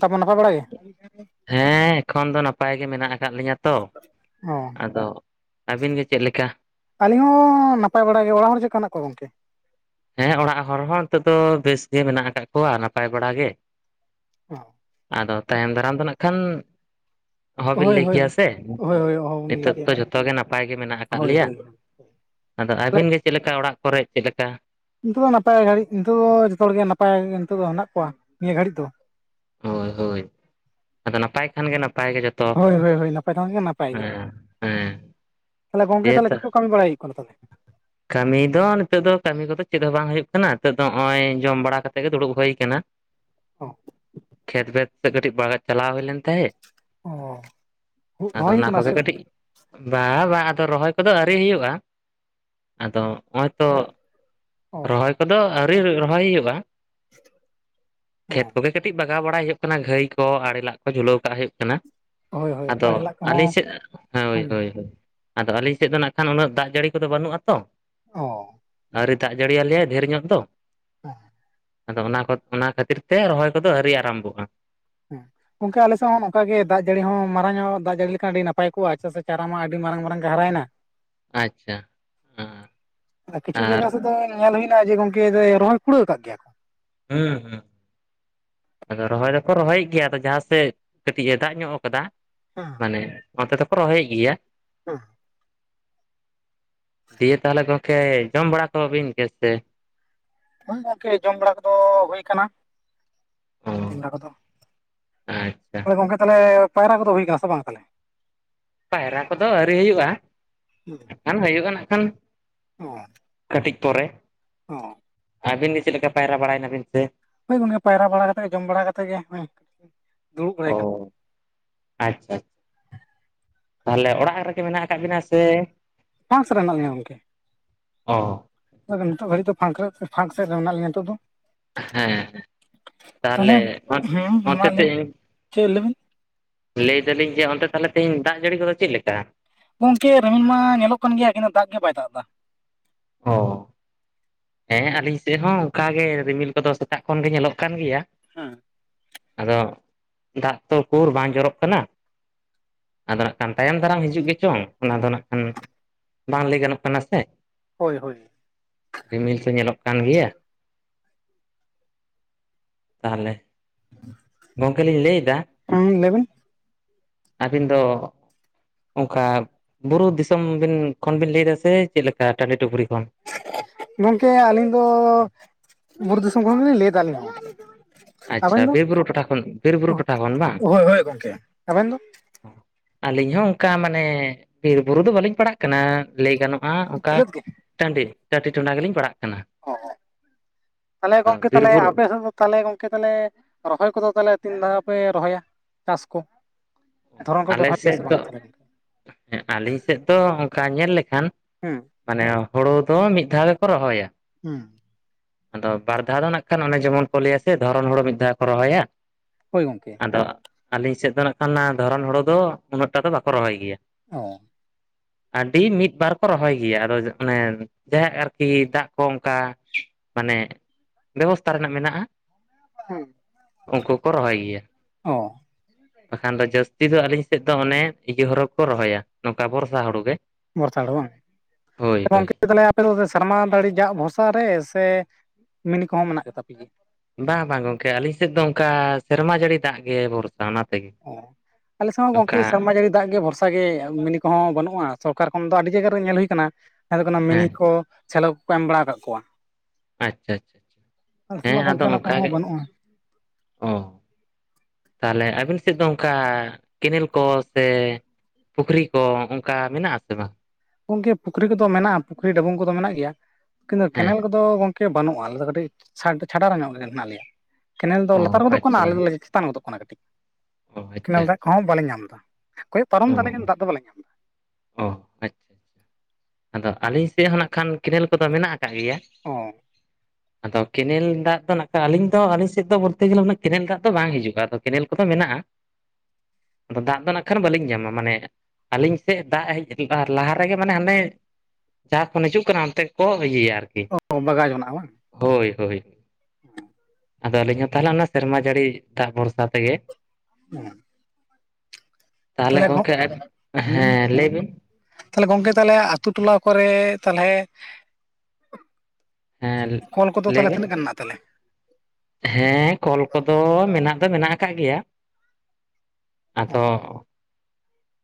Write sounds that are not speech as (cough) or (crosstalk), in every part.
ᱛᱟᱵᱚᱱ ᱱᱟᱯᱟᱭ ᱵᱟᱲᱟ ᱜᱮ? ᱦᱮᱸ ᱮᱠᱷᱚᱱ ᱫᱚ ᱱᱟᱯᱟᱭ ᱜᱮ, ᱢᱮᱱᱟᱜ ᱟᱠᱟᱫ ᱞᱤᱧᱟᱹ ᱛᱚ। ᱚ ᱟᱫᱚ ᱼᱼ ᱟᱹᱵᱤᱱ ᱜᱮ ᱪᱮᱫ ᱞᱮᱠᱟ? ᱟᱹᱞᱤᱧ ᱦᱚᱸ ᱱᱟᱯᱟᱭ ᱵᱟᱲᱟ ᱜᱮ। ᱚᱲᱟᱜ ᱦᱚᱲ ᱪᱮᱫᱠᱟ ᱢᱮᱱᱟᱜ ᱠᱚᱣᱟ ᱜᱚᱝᱠᱮ? ᱦᱮᱸ ᱚᱲᱟᱜ ᱦᱚᱲ ᱦᱚᱸ, ᱱᱤᱛᱚᱜ ᱫᱚ ᱵᱮᱥ ᱜᱮ ᱢᱮᱱᱟᱜ ᱠᱟᱫ ᱠᱚᱣᱟ, ᱱᱟᱯᱟᱭ ᱵᱟᱲᱟ ᱜᱮ। ᱟᱫᱚ, ᱛᱟᱭᱚᱢ ᱫᱟᱨᱟᱢ ᱫᱚ ᱱᱟᱜ ᱠᱷᱟᱱ ᱳᱦᱳ ᱵᱤᱱ ᱦᱳᱭ ᱞᱟᱹᱭ ᱦᱳᱭ ᱠᱮᱭᱟ ᱥᱮ? ᱦᱳᱭ ᱦᱳᱭ ᱚᱦᱚᱵᱚᱱ ᱞᱟᱹᱭ ᱱᱤᱛᱚᱜ ᱠᱮᱭᱟ ᱫᱚ ᱡᱷᱚᱛᱚ ᱜᱮ, ᱱᱟᱯᱟᱭ ᱜᱮ ᱢᱮᱱᱟᱜ ᱟᱠᱟᱫ ᱦᱳᱭ ᱞᱮᱭᱟ। ᱦᱳᱭ ᱟᱫᱚ ᱟᱹᱵᱤᱱ ᱜᱮ ᱪᱮᱫ ᱞᱮᱠᱟ? ᱚᱲᱟᱜ ᱠᱚᱨᱮᱜ ᱪᱮᱫ ᱞᱮᱠᱟ? ᱱᱤᱛᱚᱜ ᱫᱚ ᱱᱟᱯᱟᱭ ᱜᱷᱟᱹᱲᱤᱡ, ᱱᱤᱛᱚᱜ ᱫᱚ ᱡᱷᱚᱛᱚ ᱦᱚᱲᱜ ᱜᱮ ᱱᱟᱯᱟᱭ, ᱱᱤᱛᱚᱜ ᱫᱚ ᱦᱮᱱᱟᱜ ᱠᱚᱣᱟ। ᱱᱤᱭᱟᱹ ᱜᱷᱟᱹᱲᱤᱡ ᱫᱚ। ᱦᱳᱭ ᱦᱳᱭ। ᱟᱫᱚ ᱱᱟᱯᱟᱭ ᱠᱷᱟᱱ ᱜᱮ ᱱᱟᱯᱟᱭ ᱜᱮ। ᱡᱷᱚᱛᱚ ᱼᱼ ᱦᱳᱭ, ᱦᱳᱭ, ᱦᱳᱭ। ᱱᱟᱯᱟᱭ ᱠᱷᱟᱱ ᱜᱮ, ᱱᱟᱯᱟᱭ ᱜᱮ। ᱦᱮᱸ ᱛᱟᱦᱟᱞᱮ ᱜᱚᱢᱠᱮ ᱫᱤᱭᱮ ᱛᱟᱦᱟᱞᱮ ᱛᱚ ᱼᱼ ᱠᱟᱹᱢᱤ ᱵᱟᱲᱟᱭ ᱦᱩᱭᱩᱜ ᱠᱟᱱᱟ। ᱠᱟᱹᱢᱤ ᱫᱚ ᱱᱤᱛᱚᱜ ᱫᱚ ᱠᱟᱹᱢᱤ ᱠᱚᱫᱚ, ᱪᱮᱫ ᱦᱚᱸ ᱵᱟᱝ ᱦᱳᱭᱳᱜ ᱠᱟᱱᱟ। ᱱᱤᱛᱚᱜ ᱫᱚ ᱱᱚᱜᱼᱚᱭ ᱡᱚᱢ ᱵᱟᱲᱟ ᱠᱟᱛᱮᱜ ᱜᱮ, ᱫᱩᱲᱩᱵ ᱦᱳᱭ ᱠᱟᱱᱟ। ᱚ ᱠᱷᱮᱛ ᱵᱷᱮᱛ ᱥᱮᱫ ᱠᱟᱹᱴᱤᱡ, ᱵᱟᱜᱟᱣ ᱪᱟᱞᱟᱣ ᱦᱳᱭ ᱞᱮᱱ ᱛᱟᱦᱮᱸᱫ। ᱚ, ᱠᱷᱩᱵ ᱨᱚᱦᱚᱭ ᱦᱩᱭᱩᱜ ᱠᱟᱱᱟ ᱥᱮ, ᱪᱮᱫ ᱜᱚᱝᱠᱮ? ᱵᱟᱝᱟ ᱵᱟᱝ। ᱟᱫᱚ ᱨᱚᱦᱚᱭ ᱠᱚᱫᱚ ᱟᱹᱣᱨᱤ ᱦᱩᱭᱩᱜᱼᱟ। ᱟᱫᱚ ᱦᱚᱸᱜᱼᱚᱭ ᱛᱚ, ᱚ ᱨᱚᱦᱚᱭ ᱠᱚᱫᱚ ᱟᱹᱣᱨᱤ ᱨᱚᱦᱚᱭ ᱦᱩᱭᱩᱜᱼᱟ। ᱠᱷᱮᱛ ᱦᱮᱸ ᱠᱚᱜᱮ ᱼᱼ ᱠᱟᱹᱴᱤᱡ ᱵᱟᱜᱟᱣ ᱵᱟᱲᱟᱭ ᱦᱩᱭᱩᱜ ᱠᱟᱱᱟ᱾ ᱜᱷᱟᱹᱭ ᱠᱚ ᱟᱲᱮ ᱞᱟᱜ ᱠᱚ ᱡᱷᱩᱞᱟᱹᱣ ᱠᱟᱜ ᱦᱩᱭᱩᱜ ᱠᱟᱱᱟ᱾ ᱦᱳᱭ ᱦᱳᱭ ᱟᱫᱚ ᱟᱲᱮ ᱞᱟᱜ ᱟᱹᱞᱤᱧ ᱠᱚᱦᱚᱸ ᱥᱮᱜ, ᱚ ᱦᱳᱭ ᱦᱳᱭ ᱦᱳᱭ᱾ ᱟᱫᱚ ᱟᱹᱞᱤᱧ ᱥᱮᱫ ᱫᱚ ᱱᱟᱜ ᱠᱷᱟᱱ ᱩᱱᱟᱹᱜ ᱫᱟᱜ ᱡᱟᱹᱲᱤ ᱠᱚᱫᱚ ᱵᱟᱹᱱᱩᱜ ᱟᱛᱚ᱾ ᱚ ᱟᱹᱣᱨᱤ ᱫᱟᱜ ᱡᱟᱹᱲᱤᱭᱟᱞᱮᱟᱭ ᱰᱷᱮᱨ ᱧᱚᱜ ᱫᱚ᱾ (unintelligible) ᱟᱫᱚ ᱚᱱᱟ ᱠᱚ, ᱚᱱᱟ ᱠᱷᱟᱹᱛᱤᱨ ᱛᱮ, ᱨᱚᱦᱚᱭ ᱠᱚᱫᱚ ᱟᱹᱣᱨᱤ ᱟᱨᱟᱢᱵᱷᱚᱜᱼᱟ᱾ ᱦᱮᱸ᱾ ᱜᱚᱝᱠᱮ ᱟᱞᱮᱥᱮᱫ ᱦᱚᱸ ᱚᱱᱠᱟ ᱜᱮ ᱫᱟᱜ ᱡᱟᱹᱲᱤ ᱦᱚᱸ ᱢᱟᱨᱟᱝ ᱧᱚᱜ ᱫᱟᱜ ᱡᱟᱹᱲᱤ ᱞᱮᱠᱷᱟᱱ ᱟᱹᱰᱤ ᱱᱟᱯᱟᱭ ᱠᱚᱜᱼᱟ᱾ ᱪᱮᱫᱟᱜ ᱥᱮ? ᱪᱟᱨᱟ ᱢᱟ ᱟᱹᱰᱤ ᱢᱟᱨᱟᱝ ᱢᱟᱨᱟᱝ ᱜᱮ ᱦᱟᱨᱟᱭᱮᱱᱟ᱾ ᱟᱪᱪᱷᱟ ᱟᱨ ᱠᱤᱪᱷᱩ ᱡᱟᱭᱜᱟ ᱥᱮᱫ ᱫᱚ ᱧᱮᱞ ᱦᱩᱭᱱᱟ ᱡᱮ ᱜᱚᱝᱠᱮ, ᱡᱮ ᱨᱚᱦᱚᱭ ᱠᱩᱲᱟᱹᱣ ᱠᱟᱜ ᱜᱮᱭᱟ ᱠᱚ᱾ ᱦᱩᱸ ᱦᱩᱸ᱾ ᱟᱫᱚ ᱨᱚᱦᱚᱭ ᱫᱚᱠᱚ ᱨᱚᱦᱚᱭᱮᱫ ᱜᱮᱭᱟ᱾ ᱟᱫᱚ ᱡᱟᱦᱟᱸ ᱥᱮᱫ ᱠᱟᱹᱴᱤᱡ ᱮ ᱫᱟᱜ ᱧᱚᱜ ᱠᱟᱫᱟ᱾ (unintelligible) ᱢᱟᱱᱮ, ᱚᱱᱚᱛᱮ ᱫᱚᱠᱚ ᱨᱚᱦᱚᱭᱮᱫ ᱜᱮᱭᱟ᱾ (unintelligible) ᱫᱤᱭᱮ ᱛᱟᱦᱚᱞᱮ ᱜᱚᱝᱠᱮ, ᱡᱚᱢ ᱵᱟᱲᱟ ᱠᱚ ᱵᱤᱱ ᱜᱮ ᱥᱮ? ᱵᱟᱝ ᱜᱚᱝᱠᱮ, ᱡᱚᱢ ᱵᱟᱲᱟ ᱠᱚᱫᱚ ᱦᱩᱭ ᱠᱟᱱᱟ᱾ ᱚ (unintelligible) ᱠᱚᱫᱚ। (unintelligible) ᱟᱪᱪᱷᱟ ᱠᱚᱫᱚ ᱜᱚᱝᱠᱮ ᱛᱟᱦᱟᱞᱮ, ᱯᱟᱭᱨᱟ ᱠᱚᱫᱚ ᱦᱩᱭ ᱠᱟᱱᱟ ᱥᱮ ᱵᱟᱝ ᱛᱟᱦᱟᱞᱮ? ᱯᱟᱭᱨᱟ ᱠᱚᱫᱚ ᱟᱹᱣᱨᱤ ᱦᱳᱭᱳᱜᱼᱟ, ᱮᱠᱷᱟᱱ ᱦᱳᱭᱳᱜᱼᱟ ᱱᱟᱜ ᱠᱷᱟᱱ᱾ ᱚ ᱠᱟᱹᱴᱤᱡ ᱯᱚᱨᱮ᱾ ᱚ ᱟᱹᱵᱤᱱ ᱜᱮ ᱪᱮᱫ ᱞᱮᱠᱟ ᱯᱟᱭᱨᱟ ᱵᱟᱲᱟᱭᱮᱱᱟᱵᱤᱱ ᱥᱮ? ᱦᱳᱭ ᱜᱚᱝᱠᱮ, ᱯᱟᱭᱨᱟ ᱵᱟᱲᱟ ᱠᱟᱛᱮ ᱡᱚᱢ ᱵᱟᱲᱟ ᱠᱟᱛᱮ ᱜᱮ ᱦᱚᱸᱚᱭ ᱫᱩᱲᱩᱵ ᱵᱟᱲᱟᱭ ᱠᱟᱱᱟ᱾ ᱚ ᱟᱪᱪᱷᱟ᱾ ᱛᱟᱦᱟᱞᱮ ᱚᱲᱟᱜ ᱨᱮᱜᱮ ᱢᱮᱱᱟᱜ ᱠᱟᱜ ᱵᱤᱱᱟ? ᱥᱮ (unintelligible) ᱨᱮ ᱦᱮᱱᱟᱜ ᱞᱤᱧᱟ ᱜᱚᱝᱠᱮ᱾ ᱚ ᱟᱫᱚ ᱱᱤᱛᱚᱜ ᱜᱷᱟᱹᱲᱤᱡ ᱫᱚ ᱯᱷᱟᱸᱠ ᱥᱮᱫ ᱨᱮ ᱢᱮᱱᱟᱜ ᱞᱤᱧᱟ ᱱᱤᱛᱚᱜ ᱫᱚ᱾ ᱦᱮᱸ ᱛᱟᱦᱞᱮ, ᱛᱟᱦᱚᱞᱮ ᱦᱩᱸ ᱢᱟ ᱚᱱᱛᱮ ᱞᱟᱹᱭ ᱵᱤᱱ᱾ ᱪᱮᱫ ᱞᱟᱹᱭ ᱵᱤᱱ? ᱞᱮᱭ ᱫᱟᱞᱤᱧ ᱡᱮ ᱚᱱᱛᱮ ᱛᱟᱦᱚᱞᱮ ᱛᱮᱦᱮᱧ ᱫᱟᱜ ᱡᱟᱹᱲᱤ ᱠᱚᱫᱚ ᱪᱮᱫ ᱞᱮᱠᱟ? ᱜᱚᱝᱠᱮ ᱨᱤᱢᱤᱱ ᱢᱟ ᱧᱮᱞᱚᱜ ᱠᱟᱱ ᱜᱮᱭᱟ᱾ (unintelligible) ᱫᱟᱜ ᱜᱮ ᱵᱟᱭ ᱫᱟᱜ ᱫᱟ᱾ ᱦᱚ ᱦᱮᱸ ᱟᱹᱞᱤᱧ ᱥᱮᱜ ᱦᱚᱸ ᱚᱝᱠᱟᱜᱮ, ᱨᱤᱢᱤᱞ ᱠᱚᱫᱚ ᱥᱮᱛᱟᱜ ᱠᱷᱚᱱ ᱜᱮ ᱧᱮᱞᱚᱜ ᱠᱟᱱ ᱜᱮᱭᱟ᱾ ᱦᱮᱸ, ᱟᱫᱚ, ᱫᱟᱜ ᱛᱚ ᱠᱩᱨ ᱵᱟᱝ ᱡᱚᱨᱚᱜ ᱠᱟᱱᱟ᱾ ᱟᱫᱚ ᱱᱟᱜ ᱠᱷᱟᱱ ᱛᱟᱭᱚᱢ ᱫᱟᱨᱟᱢ ᱦᱤᱡᱩᱜ ᱜᱮ ᱪᱚᱝ᱾ ᱚᱱᱟ ᱫᱚ ᱱᱟᱜ ᱠᱷᱟᱱ ᱵᱟᱝ ᱞᱟᱹᱭ ᱜᱟᱱᱚᱜ ᱠᱟᱱᱟ ᱥᱮ᱾ ᱦᱳᱭ ᱦᱳᱭ᱾ ᱨᱤᱢᱤᱞ ᱠᱚ ᱧᱮᱞᱚᱜ ᱠᱟᱱ ᱜᱮᱭᱟ᱾ ᱛᱟᱦᱚᱞᱮ (unintelligible) ᱜᱚᱝᱠᱮ ᱞᱤᱧ ᱞᱟᱹᱭ ᱫᱟ᱾ ᱦᱮᱸ, ᱞᱟᱹᱭ ᱵᱤᱱ᱾ ᱟᱹᱵᱤᱱ ᱫᱚ ᱚᱝᱠᱟ, ᱵᱩᱨᱩ ᱫᱤᱥᱚᱢ ᱵᱮᱱ ᱠᱷᱚᱱ ᱵᱤᱱ ᱞᱟᱹᱭ ᱫᱟ, ᱥᱮ ᱪᱮᱫ ᱞᱮᱠᱟ ᱴᱟᱹᱰᱤ ᱴᱩᱯᱨᱤ ᱠᱷᱚᱱ? ᱜᱚᱝᱠᱮ ᱟᱹᱞᱤᱧ ᱫᱚ ᱵᱩᱨᱩ ᱫᱤᱥᱚᱢ ᱠᱷᱚᱱᱞᱤᱧ ᱞᱟᱹᱭ ᱫᱟ ᱟᱞᱤᱧ ᱦᱚ᱾ ᱟᱪᱪᱷᱟ ᱟᱵᱮᱱ ᱫᱚ? ᱵᱤᱨᱼᱵᱩᱨᱩ ᱴᱚᱴᱷᱟ ᱠᱷᱚᱱ ᱵᱤᱨᱼᱵᱩᱨᱩ ᱴᱚᱴᱷᱟ ᱠᱷᱚᱱ ᱵᱟᱝ? ᱦᱳᱭ ᱦᱳᱭ ᱜᱚᱝᱠᱮ᱾ ᱟᱵᱮᱱ ᱫᱚ? ᱟᱹᱞᱤᱧ ᱦᱚᱸ ᱚᱱᱠᱟ ᱢᱟᱱᱮ ᱵᱤᱨ ᱵᱩᱨᱩ ᱫᱚ ᱵᱟᱹᱞᱤᱧ ᱯᱟᱲᱟᱜ ᱠᱟᱱᱟ ᱞᱟᱹᱭ ᱜᱟᱱᱚᱜ ᱟᱸ ᱚᱱᱠᱟ ᱵᱤᱞᱟᱹᱛ ᱜᱮ ᱴᱟᱺᱰᱤ ᱴᱟᱴᱤ ᱴᱚᱸᱰᱟ ᱜᱮᱞᱤᱧ ᱯᱟᱲᱟᱜ ᱠᱟᱱᱟ ᱚ ᱛᱟᱦᱞᱮ ᱟᱫᱚ ᱜᱚᱢᱠᱮ ᱛᱟᱦᱞᱮ ᱵᱤᱨᱼᱵᱩᱨᱩ ᱟᱯᱮ ᱥᱮᱫ ᱫᱚ ᱛᱟᱦᱞᱮ ᱜᱚᱝᱠᱮ ᱛᱟᱦᱚᱞᱮ ᱨᱚᱦᱚᱭ ᱠᱚᱫᱚ ᱛᱟᱦᱚᱞᱮ ᱛᱤᱱ ᱫᱷᱟᱣ ᱯᱮ ᱨᱚᱦᱚᱭᱟ ᱪᱟᱥ ᱠᱚ? ᱚ ᱫᱷᱚᱨᱚᱱ ᱠᱚᱯᱮ ᱟᱞᱮ ᱨᱚᱦᱚᱭ ᱜᱮᱭᱟ ᱥᱮᱫ ᱥᱮ ᱵᱟᱝ ᱫᱚ ᱛᱟᱦᱚᱞᱮ ᱟᱹᱞᱤᱧ ᱥᱮᱫ ᱫᱚ ᱚᱱᱠᱟ ᱧᱮᱞ ᱞᱮᱠᱷᱟᱱ, ᱦᱮᱸ ᱢᱟᱱᱮ ᱦᱳᱲᱳ ᱫᱚ ᱢᱤᱫ ᱫᱷᱟᱣ ᱜᱮᱠᱚ ᱨᱚᱦᱚᱭᱟ᱾ ᱦᱩᱸ, ᱟᱫᱚ ᱵᱟᱨ ᱫᱷᱟᱣ ᱫᱚ ᱱᱟᱜ ᱠᱷᱟᱱ ᱚᱱᱮ ᱡᱮᱢᱚᱱ ᱠᱚ ᱞᱟᱹᱭᱟ ᱥᱮ ᱫᱷᱚᱨᱚᱱ ᱦᱳᱲᱳ ᱢᱤᱫ ᱫᱷᱟᱣ ᱠᱚ ᱨᱚᱦᱚᱭᱟ᱾ ᱦᱳᱭ ᱜᱚᱝᱠᱮ, ᱫᱟᱜ ᱟᱹᱞᱤᱧ ᱥᱮᱫ ᱫᱚ ᱱᱟᱜ ᱠᱷᱟᱱ ᱫᱷᱚᱨᱚᱱ ᱦᱳᱲᱳ ᱫᱚ ᱩᱱᱟᱹᱜ ᱴᱟ ᱫᱚ ᱵᱟᱠᱚ ᱨᱚᱦᱚᱭ ᱜᱮᱭᱟ᱾ ᱚ, ᱟᱹᱰᱤ ᱢᱤᱫ ᱵᱟᱨ ᱠᱚ ᱨᱚᱦᱚᱭ ᱜᱮᱭᱟ ᱟᱫᱚ ᱚᱱᱮ ᱡᱟᱦᱭᱟᱜ ᱟᱨᱠᱤ ᱫᱟᱜ ᱠᱚ ᱚᱱᱠᱟ, ᱢᱟᱱᱮ ᱵᱮᱵᱚᱥᱛᱷᱟ ᱨᱮᱱᱟᱜ ᱢᱮᱱᱟᱜᱼᱟ᱾ ᱦᱩ, ᱩᱱᱠᱩ ᱠᱚ ᱨᱚᱦᱚᱭ ᱜᱮᱭᱟ᱾ ᱚ, ᱵᱟᱠᱷᱟᱱ ᱫᱚ ᱡᱟᱹᱥᱛᱤ ᱫᱚ ᱟᱹᱞᱤᱧ ᱥᱮᱫ ᱫᱚ ᱚᱱᱮ ᱤᱭᱟᱹ ᱦᱚᱨᱚ ᱠᱚ ᱨᱚᱦᱚᱭᱟ ᱱᱚᱝᱠᱟ ᱵᱚᱨᱥᱟ ᱦᱩᱲᱩ ᱜᱮ᱾ ᱵᱚᱨᱥᱟ ᱦᱩᱲᱩ ᱦᱳᱭ ᱦᱳᱭ ᱵᱟᱝ (inaudible) (unintelligible) ᱥᱮᱨᱢᱟ ᱫᱟᱲᱤ ᱡᱟᱜ ᱵᱷᱚᱨᱥᱟ ᱨᱮ ᱥᱮ ᱢᱤᱱᱤ ᱠᱚᱦᱚᱸ ᱢᱮᱱᱟᱜ ᱜᱮ ᱯᱤᱜᱤ᱾ ᱵᱟᱝ ᱵᱟᱝ ᱜᱚᱝᱠᱮ ᱟᱹᱞᱤᱧ ᱥᱮᱫ ᱫᱚ ᱚᱱᱠᱟ ᱥᱮᱨᱢᱟ ᱡᱟᱹᱲᱤ ᱫᱟᱜ ᱜᱮ ᱵᱷᱚᱨ ᱚᱱᱟ ᱛᱮᱜᱮ᱾ ᱚ ᱟᱞᱮ ᱥᱮᱜ ᱦᱚᱸ ᱜᱚᱝᱠᱮ ᱚᱱᱠᱟ ᱥᱮᱨᱢᱟ ᱡᱟᱹᱲᱤ ᱫᱟᱜ ᱜᱮ ᱵᱷᱚᱨ ᱛᱟ ᱜᱮ ᱢᱤᱱᱤ ᱠᱚᱦᱚᱸ ᱵᱟᱹᱱᱩᱜᱼᱟ ᱥᱚᱨᱠᱟᱨ ᱠᱷᱚᱱ ᱫᱚ ᱟᱹᱰᱤ ᱡᱟᱭᱜᱟ ᱨᱮ ᱧᱮᱞ ᱦᱩᱭ ᱠᱟᱱᱟ ᱟᱫᱚ ᱠᱚᱱᱚ ᱢᱤᱱᱤ ᱦᱮᱸ ᱠᱚ, ᱥᱮᱞᱳ ᱠᱚᱠᱚ ᱮᱢ ᱵᱟᱲᱟ ᱠᱟᱜ ᱠᱚᱣᱟ ᱟᱪᱪᱷᱟ ᱟᱪᱪᱷᱟ ᱟᱞᱮ ᱥᱮᱜ ᱦᱮᱸ ᱢᱟ ᱟᱫᱚ ᱜᱚᱝᱠᱮ ᱚᱱᱟ ᱚᱱᱠᱟ ᱠᱚᱦᱚᱸ ᱜᱮ ᱵᱟᱹᱱᱩᱜᱼᱟ᱾ ᱛᱟᱦᱟᱞᱮ ᱟᱹᱵᱤᱱ ᱥᱮᱫ ᱫᱚ ᱚᱱᱠᱟ ᱠᱮᱱᱮᱞ ᱠᱚ ᱥᱮ, ᱯᱩᱠᱷᱨᱤ ᱠᱚ ᱚᱱᱠᱟ ᱢᱮᱱᱟᱜ ᱟᱥᱮ ᱵᱟᱝ? ᱜᱚᱝᱠᱮ ᱯᱩᱠᱷᱨᱤ ᱠᱚᱫᱚ ᱢᱮᱱᱟᱜᱼᱟ ᱯᱩᱠᱷᱨᱤ ᱰᱚᱵᱚᱝ ᱠᱚᱫᱚ ᱢᱮᱱᱟᱜ ᱜᱮᱭᱟ ᱠᱤᱱᱛᱩ ᱦᱮᱸ ᱠᱮᱱᱮᱞ ᱠᱚ ᱫᱚ ᱜᱚᱝᱠᱮ ᱵᱟᱹᱱᱩᱜᱼᱟ ᱟᱞᱮ ᱫᱚ ᱠᱟᱹᱴᱤᱡ ᱪᱷᱟᱰ ᱪᱷᱟᱰ ᱧᱚᱜ ᱞᱮ ᱦᱮᱱᱟᱜ ᱞᱮᱭᱟ ᱠᱮᱱᱮᱞ ᱫᱚ ᱚ ᱞᱟᱛᱟᱨ ᱜᱚᱫᱚᱜ ᱠᱟᱱᱟ ᱟᱪᱪᱷᱟ ᱟᱞᱮ ᱫᱚ ᱞᱮ ᱛᱟᱱ ᱜᱚᱫᱚᱜ ᱠᱟᱱᱟ ᱠᱟᱹᱴᱤᱡ ᱚ ᱟᱪᱪᱷᱟ ᱟᱪᱪᱷᱟ ᱠᱮᱱᱮᱞ ᱫᱟᱜ ᱠᱚᱦᱚᱸ ᱵᱟᱞᱮ ᱧᱟᱢ ᱮᱫᱟ ᱠᱚᱭᱜ ᱯᱟᱨᱚᱢ ᱫᱟᱞᱮ ᱚ ᱫᱟᱜ ᱫᱚ ᱵᱟᱞᱮ ᱧᱟᱢ ᱮᱫᱟ᱾ ᱚ ᱟᱪᱪᱷᱟ ᱟᱪᱪᱷᱟ ᱟᱫᱚ ᱟᱹᱞᱤᱧ ᱥᱮᱜ ᱦᱚᱸ ᱱᱟᱜ ᱠᱷᱟᱱ ᱠᱮᱱᱮᱞ ᱠᱚᱫᱚ ᱢᱮᱱᱟᱜᱼᱟ ᱠᱟᱜ ᱜᱮᱭᱟ᱾ ᱚ ᱟᱫᱚ ᱠᱮᱱᱮᱞ ᱫᱟᱜ ᱫᱚ ᱱᱟᱜ ᱠᱷᱟᱡ ᱟᱹᱞᱤᱧ ᱫᱚ ᱟᱹᱞᱤᱧ ᱥᱮᱫ ᱫᱚ ᱵᱳᱞᱛᱮ ᱜᱮᱞᱮ ᱠᱮᱱᱮᱞ ᱫᱟᱜ ᱫᱚ ᱵᱟᱝ ᱦᱤᱡᱩᱜᱼᱟ ᱟᱫᱚ ᱠᱮᱱᱮᱞ ᱠᱚᱫᱚ ᱢᱮᱱᱟᱜᱼᱟ᱾ ᱟᱫᱚ ᱫᱟᱜ ᱫᱚ ᱱᱟᱜ ᱠᱷᱟᱱ ᱵᱟᱹᱞᱤᱧ ᱧᱟᱢᱟ ᱢᱟᱱᱮ ᱟᱹᱞᱤᱧ ᱥᱮᱜ ᱫᱟᱜ ᱦᱮᱡ (inaudible) ᱞᱟᱦᱟ ᱨᱮᱜᱮ ᱢᱟᱱᱮ ᱦᱟᱱᱮ ᱡᱟᱦᱟᱸ ᱠᱷᱚᱱ ᱦᱤᱡᱩᱜ ᱠᱟᱱᱟ ᱚᱱᱛᱮ ᱜᱮᱠᱚ ᱤᱭᱟᱹᱭᱟ ᱟᱨᱠᱤ᱾ ᱚ ᱵᱟᱜᱟᱣ ᱡᱚᱱᱟᱜᱼᱟ ᱵᱟᱝ᱾ ᱦᱳᱭ ᱦᱳᱭ᱾ (unintelligible) ᱟᱫᱚ ᱟᱹᱞᱤᱧ ᱦᱚᱸ ᱛᱟᱦᱚᱞᱮ ᱚᱱᱮ ᱥᱮᱨᱢᱟ ᱡᱟᱹᱲᱤ ᱫᱟᱜᱽ ᱵᱷᱚᱨᱥᱟ ᱛᱮᱜᱮ᱾ (unintelligible) ᱛᱟᱦᱚᱞᱮ ᱛᱟᱦᱞᱮ ᱦᱚᱸᱜ ᱜᱚᱝᱠᱮ ᱟᱵ- ᱦᱩᱸ, ᱦᱮᱸ ᱞᱟᱹᱭ ᱵᱤᱱ ᱛᱟᱦᱞᱮ ᱜᱚᱝᱠᱮ ᱛᱟᱞᱮ ᱟᱛᱩ ᱴᱚᱞᱟ ᱠᱚᱨᱮ ᱛᱟᱞᱦᱮ, ᱦᱮᱸ ᱠᱚᱞ ᱠᱚᱫᱚ ᱞᱟᱹᱭ ᱛᱟᱦᱞᱮ ᱵᱤᱱ ᱛᱤᱱᱟᱹᱜ ᱜᱟᱱ ᱱᱟᱜ ᱛᱟᱞᱮ? ᱦᱮᱸ ᱠᱚᱞ ᱠᱚᱫᱚ ᱢᱮᱱᱟᱜ ᱫᱚ ᱢᱮᱱᱟᱜ ᱟᱠᱟᱜ ᱜᱮᱭᱟ ᱚ ᱟᱫᱚ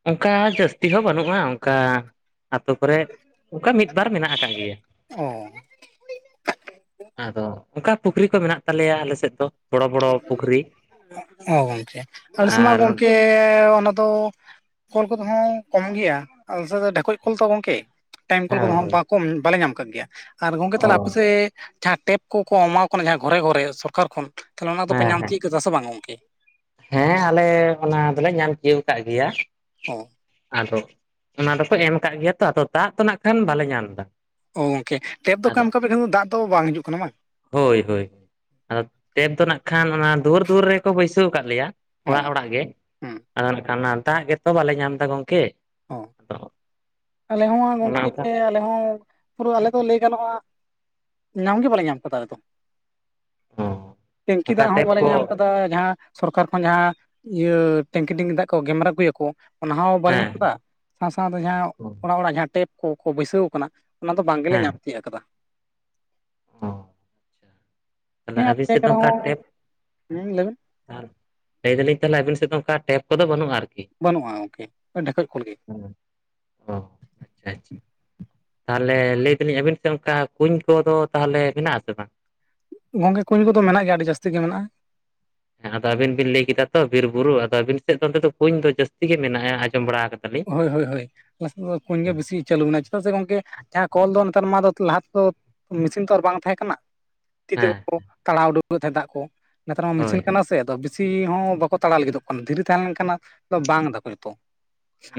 ᱚᱝᱠᱟ ᱡᱟᱹᱥᱛᱤ ᱦᱚᱸ ᱵᱟᱹᱱᱩᱜᱼᱟ ᱚᱝᱠᱟ ᱾ ᱟᱹᱛᱳ ᱠᱚᱨᱮᱜ ᱩᱝᱠᱟ ᱢᱤᱜ ᱵᱟᱨ ᱢᱮᱱᱟᱜ ᱟᱠᱟᱜ ᱜᱮᱭᱟ ᱾ ᱚ ᱟᱫᱚ ᱩᱝᱠᱟ ᱯᱩᱠᱷᱨᱤ ᱠᱚ ᱢᱮᱱᱟᱜ ᱛᱟᱞᱮᱭᱟ ᱟᱞᱮ ᱥᱮᱫ ᱫᱚ ᱾ (unintelligible) ᱚᱸ ᱜᱚᱝᱠᱮ ᱟᱞᱮ ᱥᱮᱢᱟ ᱟᱨ ᱜᱚᱝᱠᱮ ᱚᱱᱟ ᱫᱚ ᱠᱚᱞ ᱠᱚᱫᱚ ᱦᱟᱸᱜ ᱠᱚᱢ ᱜᱮᱭᱟ ᱟᱞᱮ ᱥᱮᱫ ᱰᱷᱮᱠᱚᱡ ᱠᱚᱞ ᱛᱚ ᱜᱚᱝᱠᱮ ᱴᱟᱭᱤᱢ ᱠᱚᱞ ᱠᱚᱫᱚ ᱦᱳᱭ ᱦᱟᱸᱜ ᱦᱳᱭ ᱵᱟᱠ ᱠᱚᱢ ᱵᱟᱞᱮ ᱧᱟᱢ ᱠᱟᱫ ᱜᱮᱭᱟ ᱟᱨ ᱜᱚᱝᱠᱮ ᱛᱟᱦᱞᱮ ᱟᱯᱮ ᱚ ᱥᱮ ᱡᱟᱦᱟᱸ ᱴᱮᱯ ᱠᱚ ᱠᱚ ᱮᱢᱟᱠᱚ ᱠᱟᱱᱟ ᱡᱟᱦᱟᱸ ᱜᱷᱚᱨᱮ ᱜᱷᱚᱨᱮ ᱥᱚᱨᱠᱟᱨ ᱠᱷᱚᱱ ᱛᱷᱟᱞᱮ ᱚᱱᱟ ᱫᱚᱯᱮ ᱦᱮᱸ ᱧᱟᱢ ᱦᱮᱸ ᱛᱤᱭᱟᱹᱜ ᱠᱮᱫᱟ ᱥᱮ ᱵᱟᱝ ᱜᱚᱝᱠᱮ? ᱦᱮᱸ ᱟᱞᱮ ᱚᱱᱟ ᱫᱚᱞᱮ ᱧᱟᱢ ᱪᱤᱭᱟᱹᱣ ᱠᱟᱜ ᱜᱮᱭᱟ ᱾ ᱚ ᱟᱫᱚ ᱚᱱᱟ ᱫᱚᱠᱚ ᱮᱢ ᱠᱟᱜ ᱜᱮᱭᱟ ᱛᱚ ᱟᱫᱚ ᱫᱟᱜ ᱛᱟᱱᱟᱜ ᱠᱷᱟᱱ ᱵᱟᱞᱮ ᱧᱟᱢ ᱫᱟ ᱾ ᱚ ᱜᱚᱝᱠᱮ ᱴᱮᱯ ᱫᱚᱠᱚ ᱮᱢ ᱠᱟᱯᱮ (unintelligible) ᱫᱟᱜ ᱫᱚ ᱵᱟᱝ ᱦᱤᱡᱩᱜ ᱠᱟᱱᱟ ᱵᱟᱝ? ᱦᱳᱭ ᱦᱳᱭ ᱾ ᱟᱫᱚ ᱴᱮᱯ ᱫᱚ ᱱᱟᱜ ᱠᱷᱟᱱ ᱚᱱᱟ ᱫᱩᱣᱟᱹᱨ ᱫᱩᱣᱟᱹᱨ ᱨᱮᱠᱚ ᱵᱟᱹᱭᱥᱟᱹᱣ ᱠᱟᱜ ᱞᱮᱭᱟ ᱚ ᱚᱲᱟᱜ ᱚᱲᱟᱜ ᱜᱮ ᱦᱩᱸ ᱟᱫᱚ ᱱᱟᱜ ᱠᱷᱟᱱ ᱱᱟᱜ ᱫᱟᱜ ᱜᱮᱛᱚ ᱵᱟᱞᱮ ᱧᱟᱢ ᱫᱟ ᱜᱚᱝᱠᱮ ᱾ ᱚ ᱟᱞᱮ ᱦᱚᱸ ᱚᱱᱟ ᱚᱱᱠᱟ (inaudible) ᱟᱞᱮ ᱦᱚᱸ ᱯᱩᱨᱟᱹ ᱟᱞᱮ ᱫᱚ ᱞᱟᱹᱭ ᱜᱟᱱᱚᱜᱼᱟ ᱧᱟᱢ ᱜᱮ ᱵᱟᱞᱮ ᱧᱟᱢ ᱠᱟᱫᱟ ᱟᱞᱮ ᱫᱚ ᱾ ᱴᱮᱝᱠᱤ ᱚᱱᱠᱟ ᱫᱟᱜ ᱦᱚᱸ ᱴᱮᱯ ᱵᱟᱞᱮ ᱠᱚ ᱧᱟᱢ ᱠᱟᱫ ᱛᱟ ᱡᱟᱦᱟᱸ ᱥᱚᱨᱠᱟᱨ ᱠᱷᱚᱱ ᱡᱟᱦᱟᱸ ᱤᱭᱟᱹ ᱴᱮᱝᱠᱤ ᱰᱤᱝ ᱫᱟᱜ ᱠᱚ ᱜᱮᱢᱮᱨ ᱟᱹᱜᱩ ᱟᱠᱚ ᱚᱱᱟ ᱦᱚᱸ ᱵᱟᱞᱮ ᱦᱮᱸ ᱧᱟᱢ ᱠᱟᱜ ᱥᱟᱶ ᱥᱟᱶᱛᱮ ᱡᱟᱦᱟᱸ ᱚᱲᱟᱜ ᱚᱲᱟᱜ ᱡᱟᱦᱟᱸ ᱴᱮᱯ ᱠᱚᱠᱚ ᱵᱟᱹᱭᱥᱟᱹᱣ ᱠᱟᱱᱟ ᱚᱱᱟ ᱫᱚ ᱵᱟᱝ ᱜᱮᱞᱮ ᱦᱮᱸ ᱧᱟᱢ ᱛᱤᱭᱟᱹ ᱟᱠᱟᱫᱟ ᱾ ᱟᱪᱪᱷᱟ, ᱛᱟᱦᱚᱞᱮ ᱟᱹᱵᱤᱱ ᱥᱮᱫ (inaudible) ᱦᱩᱸ ᱞᱟᱹᱭᱵᱮᱱ ᱛᱟᱨ ᱞᱟᱹᱭ ᱫᱟᱹᱞᱤᱧ ᱛᱟᱦᱞᱮ ᱟᱹᱵᱤᱱ ᱥᱮᱸᱫ ᱫᱚ ᱚᱝᱠᱟ ᱴᱮᱯ ᱠᱚᱫᱚ ᱵᱟᱹᱱᱩᱜᱼᱟ ᱟᱨᱠᱤ? ᱵᱟᱹᱱᱩᱜᱼᱟ ᱜᱚᱝᱠᱮ ᱰᱷᱮᱠᱚᱡ ᱠᱚᱞ ᱜᱮ ᱾ ᱟ ᱟᱪᱪᱷᱟ ᱟᱪ ᱾ ᱛᱟᱦᱞᱮ ᱞᱟᱹᱭ ᱫᱟᱹᱞᱤᱧ ᱟᱵᱤᱱ ᱥᱮᱜ ᱚᱱᱠᱟ ᱠᱩᱧ ᱠᱚᱫᱚ ᱛᱟᱦᱞᱮ ᱢᱮᱱᱟᱜᱼᱟ ᱥᱮ ᱵᱟᱝ? ᱜᱚᱝᱠᱮ ᱠᱩᱧ ᱠᱚᱫᱚ ᱢᱮᱱᱟᱜ ᱜᱮᱭᱟ ᱟᱹᱰᱤ ᱡᱟᱹᱥᱛᱤ ᱜᱮ ᱢᱮᱱᱟᱜᱼᱟ᱾ ᱦᱮᱸ ᱟᱫᱚ ᱟᱵᱤᱱ ᱵᱤᱱ ᱞᱟᱹᱭ ᱠᱮᱫᱟ ᱛᱚ ᱵᱤᱨ ᱵᱩᱨᱩ ᱟᱫᱚ ᱟᱹᱵᱤᱱ ᱥᱮᱫ ᱫᱚ ᱚᱱᱛᱮ ᱫᱚ ᱠᱩᱧ ᱫᱚ ᱡᱟᱹᱥᱛᱤ ᱜᱮ ᱢᱮᱱᱟᱜᱼᱟ ᱟᱸᱡᱚᱢ ᱵᱟᱲᱟ ᱠᱟᱫᱟ ᱞᱤᱧ ᱾ ᱦᱳᱭ ᱦᱳᱭ ᱦᱳᱭ ᱟᱞᱮ ᱥᱮᱜ ᱫᱚ ᱠᱩᱧ ᱜᱮ ᱵᱮᱥᱤ ᱪᱟᱹᱞᱩ ᱢᱟᱱᱟᱜ ᱪᱮᱫᱟᱜ ᱥᱮ ᱜᱚᱝᱠᱮ ᱡᱟᱦᱟᱸ ᱠᱚᱞ ᱫᱚ ᱱᱮᱛᱟᱨ ᱢᱟ ᱞᱟᱦᱟ ᱛᱮᱫᱚ ᱢᱮᱥᱤᱱ ᱛᱚ ᱟᱨ ᱵᱟᱝ ᱛᱟᱦᱮᱸ ᱠᱟᱱᱟ ᱾ ᱛᱤ ᱛᱮ ᱦᱮᱸ ᱯᱨᱳ ᱛᱟᱲᱟᱣ ᱩᱰᱩᱠᱮᱫ ᱛᱟᱦᱮᱸ ᱫᱟᱜ ᱠᱚ ᱱᱮᱛᱟᱨ ᱢᱟ ᱦᱳᱭ ᱢᱮᱥᱤᱱ ᱦᱮᱸ ᱠᱟᱱᱟ ᱥᱮ ᱟᱫᱚ ᱵᱤᱥ ᱥᱤ ᱦᱚᱸ ᱵᱟᱠᱚ ᱛᱟᱲᱟ ᱞᱟᱹᱜᱤᱫ ᱫᱚᱜ ᱠᱟᱱ ᱫᱷᱤᱨᱤ ᱛᱟᱦᱮᱸᱞᱮᱱᱠᱷᱟᱱ ᱱᱟ ᱵᱟᱝ (unintelligible)